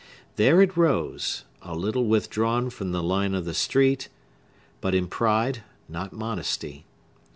There it rose, a little withdrawn from the line of the street, but in pride, not modesty.